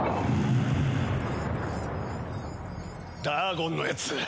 ダーゴンのヤツ